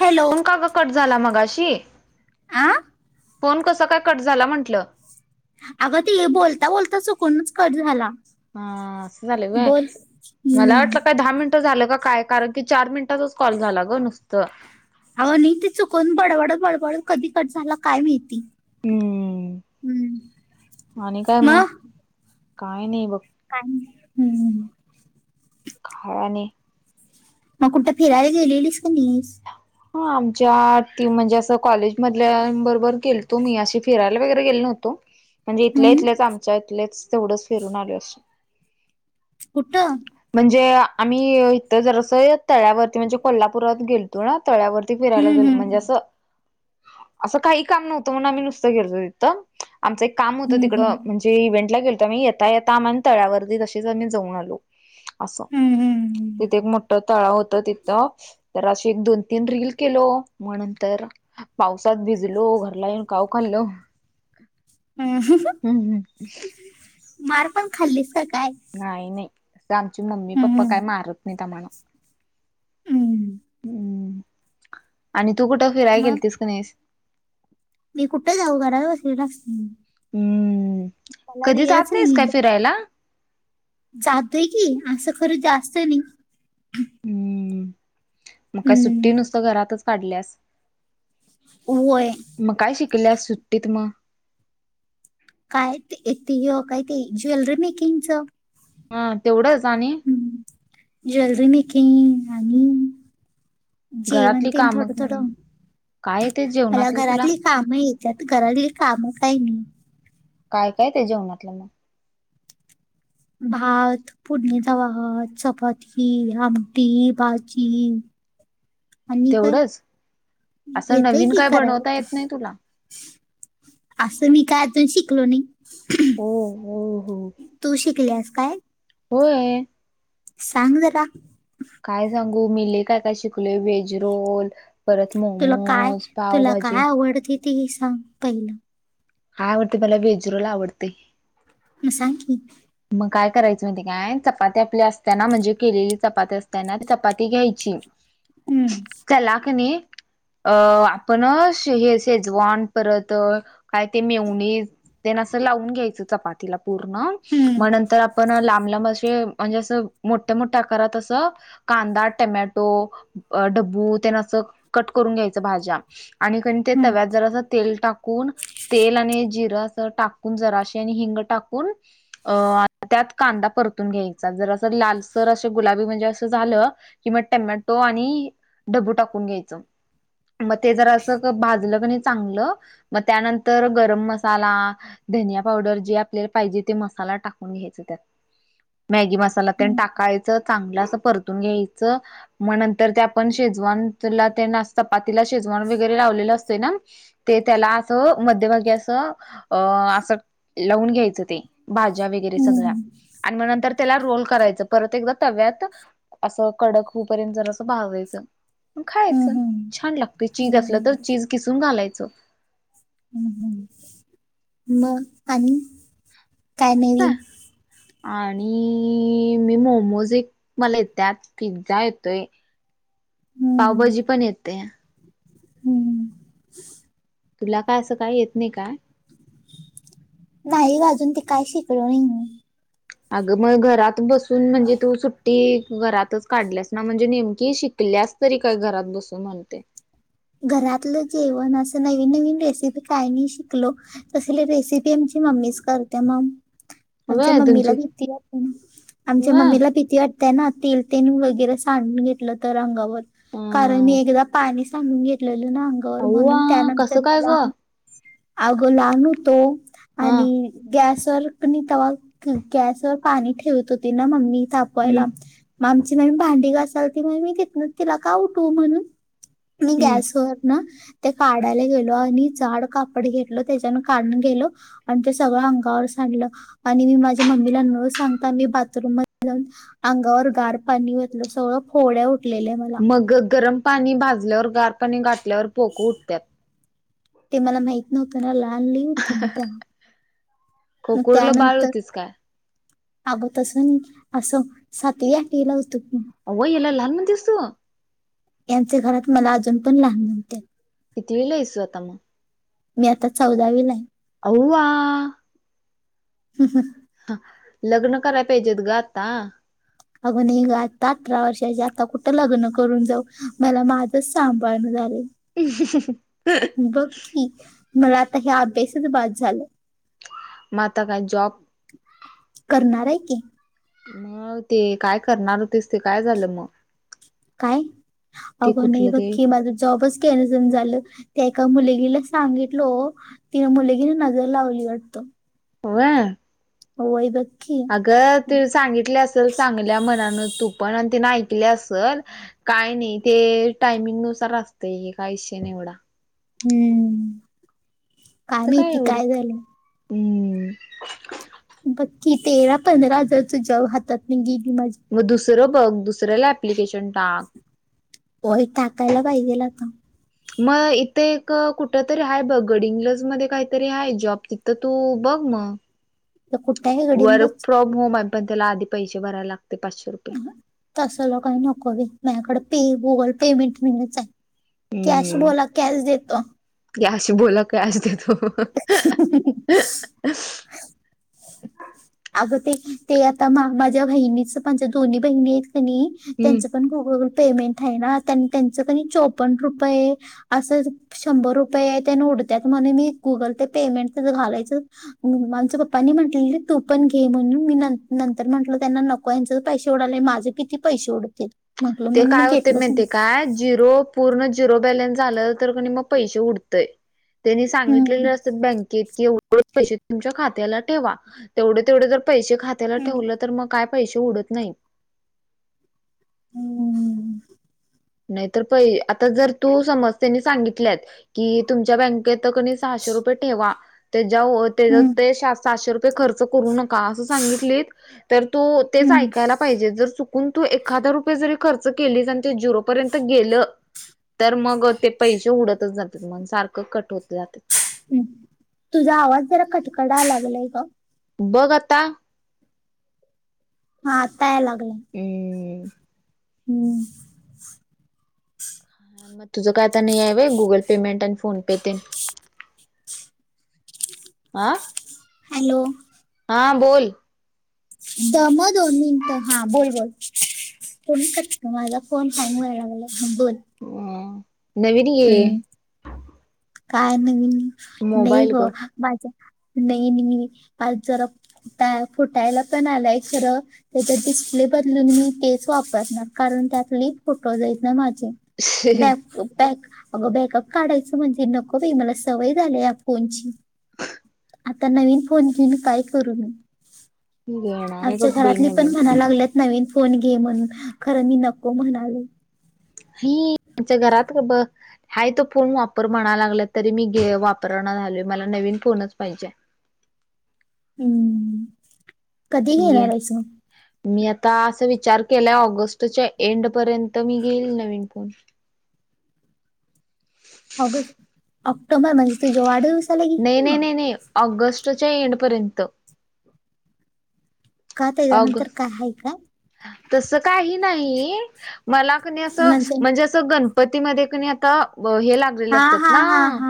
Hello. Phone का ग cut झाला मगाशी? आं? फोन कसं काय कट झाला म्हटलं? अगं ते बोलता बोलता चकूनच कट झाला. हा असं झालंय व्हय, बोल मला हम्म वाटलं काय दहा मिन टं झालं का काय, कारण की चार मिनिटाचाच कॉल झाला ग नुसतं. अव नाही ते चुकून बडबडत बडबडून कधी कट झाला काय माहिती? हम्म हम्म आणि काय मग? काय नाही बघ. [unintelligible] हम्म. काय नाही. मग कुठं फिरायला गेलेलीस का नाहीस? हा आमच्या टीम म्हणजे असं कॉलेजमधल्यां बरोबर गेलतो मी, अशी फिरायला वगैरे गेलो नव्हतो. म्हणजे इथल्या हम्म इथल्याच आमच्या इथलेच तेवढंच फिरून आलो असं. कुठं? म्हणजे आम्ही इथं जर असं तळ्यावरती म्हणजे कोल्हापुरात गेलतो ना. तळ्यावरती फिरायला हम्म गेलो हम्म म्हणजे असं असं काही काम नव्हतं म्हणून आम्ही नुसतं गेलो तिथं, आमचं एक काम होतं हम्म हम्म तिकडं म्हणजे ते इव्हेंटला गेलतो आम्ही येता येता आ म तळ्यावरती तसेच आम्ही जाऊन आलो. असं हम्म तिथे एक मोठं तळा होत तिथं, तर अशी एक दोन तीन रिल केलो, मग नंतर पावसात भिजलो, घरला येऊन काव खाल्लो. हम्म, मार पण खाल्लीस का काय? नाही नाही, [unintelligible] आमची मम्मी हम्म पप्पा काय मारत नाहीत आम्हाला. हम्म. हम्म आणि तू कुठं फिराय मग गेलतीस का नाहीस? मी कुठे जाऊ? घरात बसलेली असते मी हम्म. मला कधी [unintelligible] जात नाहीस नाही. काय फिरायला जातोय की असं खरं जास्त नाही. हम्म मग काय हम्म. सुट्टी नुसतं घरातच काढल्यास? होय. मग काय शिकले सुट्टीत मग? काय ते, ते काय ते ज्वेलरी मेकिंगच. हा तेवढंचच आणि. हम् ज्वेलरी मीकिंग आणि. जेवण घरातली ते कामं थोड, थोड हं, काय ते मला जेवणातलं तुला घरातील काम येतात घरातील कामं काही नाही. काय, काय येते जेवणातलं मग? भात, फोडणिचा भात, चपाती, आमटी, भाजी आणि काय तेवढंच असं येतेय नवीन कि काय करायला बनवता येत. नाही तुला असं मी काय अजून शिकलो नाही. हो हो हो तू शिकलेस काय? होय. सांग जरा? काय सांगू मी लय काय, काय शिकलेय वेज रोल परत मो तुला काय, तुला काय आवडते तीही सांग पहिलं? काय आवडते मला, वेज रोल आवडते. मग सांग की? मग काय करायचं म्हणती काय चपाती आपली असताना म्हणजे केलेली चपाती असताना चपाती घ्यायची. हम्म त्याला की नाही अ आपण हे शेजवान परत काय ते मेओनीज तेना असं लावून घ्यायचं चपाती तिला पूर्ण हम्म मग नंतर आपण लांब, लांब असे म्हणजे असं मोठ्या, मोठ्या आकारात अस कांदा, टमॅटो, अ ढबू तेन असं कट करून घ्यायचं भाज्या आणि कणी ते हम्म तव्यात जरासं तेल टाकून तेल आणि जिरं असं टाकून जराशी आणि हिंग टाकून अ त्यात कांदा परतून घ्यायचा जर असं लालसर असं गुलाबी म्हणजे असं झालं कि मग टमॅटो आणि ढबू टाकून घ्यायचं. मग ते जर अस भाजल कनी चांगलं मग त्यानं तर गरम मसाला, धनिया पावडर जे आपल्याला पाहिजे ते मसाला टाकून घ्यायचं त्यात मॅगी मसाला तेन हम्म टाकायचं चांगलं असं परतून घ्यायचं मग नंतर ते आपण शेजवानला तेन चपातीला शेजवान वगैरे लावलेलं असतं ना ते त्याला असं मध्यभागी असं अ असं लावून घ्यायचं ते भाज्या वगैरे सगळ्या हम्म आणि मग नंतर त्याला रोल करायचं परत एकदा तव्यात असं कडक हुपर्यंत जरासं भाजायचं. हं, खायचं हं, छान लागतय चीज असलं तर हं, चीज खिसून घालायचं. हम्म हम्म मग आणि आणि काय? आणि मी मोमोज एक मला येत्यात, पिझ्झा येतोय, हं, पावभाजी पण येते. हं. तुला काय असं काय येत नाही काय? नाही गं अजून ते काय शिकलो नाही मी. अगं मग घरात बसून म्हणजे तू सुट्टी घरातच काढल्यास ना म्हणजे नेमकी शिकल्यास तरी काय घरात बसू म्हणते. घरातलं जेवण असं नवीन-नवीन रेसिपी काहीनी शिकलो. तसले रेसिपी आमची मम्मीच करते मंम. आमच्या व्हय मम्मीला तुमची भीती वाटते ना, आमच्या व्हय मम्मीला भीती वाट ते ना तील-तील वगैरे सांडून घेतलं तर अंगावर कारण मी अ एकदा पानी साडून घेतलेल ना अंगावर अव्वा म्हणून त्यानंतर कसं काय ग मला आगं लहान होतो हा आणि गॅसवर मम्मी तवा गॅसवर पाणी ठेवत होती ना मम्मी हम्म तापवायला. मग आमची नवीन भांडी घासत होती, मग मी तितन तिला का उठू म्हणून, मी हम्म गॅस तोवप ना ते काढायला गेलो आणि जाड कापड घेतलं त्याच्यान काढन केलं. अन ते सगळं अंगावर सांडलं आणि मी माझ्या मम्मीला न सांगता मी बाथरूम मध्ये जाऊन अंगावर गार पाणी ओतलं, सगळं फोड्या उठलेल्या मल मग ग गरम पाणी भाजल्यावर गार पाणी घातल्यावर पोक उठत्यात. ते मला माहित नव्हतं ना लहान लय होत मी तेव्हा, मग खोकुरला बाळ त्यानंतर होतीस काय अगं तसं नी असं सातवी, आठवीला होतं कि. आव येला लहान म्हणतेस तु? यांच्या घरात मला अजून पण लहान म्हणत्यात. कितवीला हेस तु आता मग? मी आता चौदावीला. आवो व्वा! [inaudible] लग्न कराय पाहिजेत गं आता. अगं नही गं आता अठरा वर्षाचे आता कुठं लग्न करून जाऊ मला माझच सांभाळणं झालं. [inaudible] बघ की मला आता ह्या अभ्यासाचं बास झालं. मग आता काय जॉब करणार हे की. म ते काय करणार होतेस, ते काय झालं मग? काय? ते अगं नई कुठलं गं ते केला बी जॉबच कॅन्सल झालं. त्या एका मुलगीला सांगितलं ती मुलगीनं नजर लावली वाटत. व्हय. व्हय बघ की. ग तु सांगितल असेल चांगल्या मनान तु पण आणि तिने ऐकले असल काय नई ते टायमिंग नुसार असतं, एका विषय निवडा. हम्म, काय तर माहिती एवढं काय झालं. हम्म बघ की, तेरा- पंधरा हजारचा जॉब हातातनं गेली माझ्या. मग दुसरं बघ दुसऱ्याला एप्लीकेशन टाक. होय टाकायला पाहिजेल आता. मग इथे एक कुठं तरी आहे, बघ गडी इंग्लज मध्ये काहीतरी आहे जॉब तिथं तू बघ मग. तर कुठे आहे वर्क गडिंगलाच फ्रॉम होम आहे, पण त्याला आधी पैसे भरायला लागते पाचशे रुपये. तसला काही नको बई, माझ्याकडं पे गुगल पेमेंट [unintelligible] कॅश बोला, कॅश देतो. क्लॅश बोला, कॅश देतो [unintelligible] अगं ते ते आता मा माझ्या बहिणीच पण माझ्या दोन्ही बहिणी हायत कणी त्यांचं पण गुगलवर पेमेंट आहे ना त्यांचं पण चोपन्न रुपये असं शंभर रुपये तेन उडत्यात म्हणून मी गुगल पे पेमेंट तिथं घालायचं हं माझ्या पप्पांनी म्हंटले तू पण घे म्हणून मी नंतर म्हटलं त्यांना नक कोणचे पैसे उडाले माझे किती पैसे उडतील म्हटलं ते म्हणून मी काय होते घेतलोच माहीती नाही का झिरो पूर्ण जिरो बॅलन्स झालं तर कनाई म पैसे उडतय त्यांनी सांगितलेले हम्म. असतात बँकेत कि एवढं पैसे तुमच्या खात्याला ठेवा तेवढे, तेवढे जर पैसे खात्याला हम्म. ठेवलं तर मग काय पैसे उडत नाहीत हम्म नाही तर पै आता जर तू समज त्यांनी सांगितलं आहे की तुमच्या बँक तिथ कनाई सहाशे रुपये ठेवा त्याच्याव ते सहाशे रुपये खर्च करून का अस सांगितल तर तू तेच हम्म. ऐकायला पाहिजे जर चु चुकून जर तू एखादा रुपये जरी खर्च केलीस आणि ते झिरो पर्यंत गेलं तर मग ते पैसे उडतच जातेत मग सारखं कट होत जातेत ह तुझा आवाज जरा कटकडा लागलाय ग बघ आता हा आत्ता याय लागलाय हम हम मग तुझं काय आता नाही होय गुगल पेमेंट आणि फोन पे तेन आं हॅलो हा बोल दम आ दोन मिनिटं हा बोल बोल फोन कट माझा फोन हँग व्हाय लागलय हा बोल ह नवीन घे हम्म. काय नवीन नाही ग माझ्या नाही मी जरा फुटायला पण आलाय खरं उद्या डिस्प्ले बदलून मी तेच वापरणार कारण त्यात लई फोटोज आहेत ना माझ बॅक, बॅक अगं बॅकअप काढायचं म्हणजे नको बाई मला सवय झाली आहे या फोनची आता नवीन फोन घेऊन काय करू मी घेणार आहे आमच्या बघ बाई घरातली पण नवीन म्हणाय लागलेत नवीन फोन घे म्हणून खरं मी नको म्हणालोय ही आमच्या घरात ग ब हाय तो फोन वापर म्हणायलागल्यात तरी मी गे वापरण झालोय मला नवीन फोनच पाहिजे हम्म कधी मी घेणार घेईन आहेस मग मी आता अस विचार केला ऑगस्टच्या एंड पर्यंत मी घेईल नवीन फोन ऑगस्ट, ऑक्टोबर म्हणजे तुझ वाढदिवस नाही, नाही, नाही न ऑगस्टच्या येड पर्यंत का त्याज्यानंतर काय आहे का तस काही नाही मला काय नाही अस म्हणजे असं गणपतीमध्ये कणी आता हे लागलेले हा असतात हा ना हा हा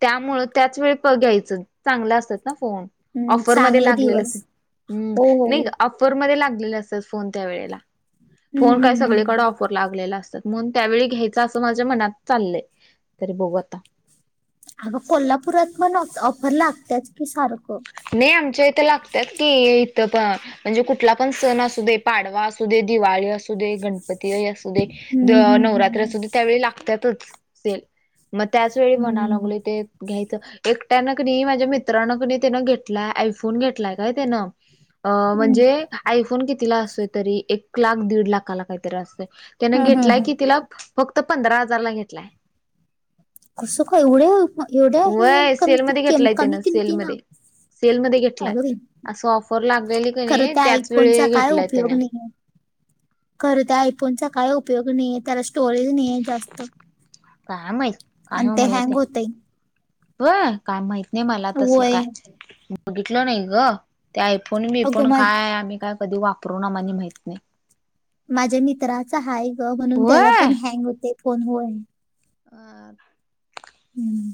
त्यामुळं त्याच वेळी घ्यायचं चांगलं असतात ना फोन हम्म, ऑफरमध्ये चांगले लागलेलं दिवस हम्म हो हो नाही ऑ ऑफर मध्ये लागलेले असतात फोन त्यावेळेला हम्म, फोन काय हम्म, सगळीकडे हम्म. ऑफ भरपूर लागलेल असतात म्हणून त्यावेळी घ्यायच असं माझ्या मनात चाललंय तरी बघु आता अग कोल्हापुरात पण ऑ ऑफर लागतात कि सारखं नाही आमच्या इथं लागतात की इथं पण म्हणजे कुठला पण सण असू दे, पाडवा असू दे, दिवाळी असू दे असू दे, गणपती असू दे, द हम्म, हम्म, नवरात्री हम्म. असू दे त्यावेळी लागतातच सेल मग त्याच वेळी म्हणाय हम्म, लागलय ते घ्यायचं एकट्यानं की नाही माझ्या मित्रान की नाही त्यानं घेतलाय आयफोन घेतलाय काय त्यान अह हम्म. म्हणजे आयफोन कितीला असतोय तरी एक लाख दीड लाखाला काहीतरी असतय. त्याने हम्म, घेतलाय हम्म, हम्म. कितीला? फक्त पंधरा हजारला घेतलाय. कसं का एवढ्या एवढ्या आहे व्हय कमती सेलमध्ये घेतलाय कमी त्यानं किमती ना सेलमध्ये सेलमध्ये घेतलाय. अगं बाई, असं ऑफर लागलेली की नाही त्याच वेळी घेतलाय त्यांनी खर तर आयफोनचा काय उपयोग नाहीये त्याला स्टोरेज नाहीेये जास्त काय माहित? अन ते हँग होतय. हो काय माहित नाही मला तसल होय काय बघितलं नाही ग. त्या आयफोन अगो बीयफोन मा काय आम्ही काय कधी वापरू आम्हा नाही माहित नाही माझ्या मित्राचा हाय ग म्हणून त्याचापण हँग होतय फोन वन हा. हम्